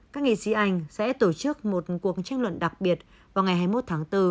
các nghị sĩ anh sẽ tổ chức một cuộc tranh luận đặc biệt vào ngày hai mươi một tháng bốn